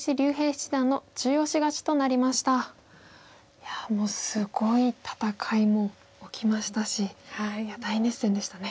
いやもうすごい戦いも起きましたしいや大熱戦でしたね。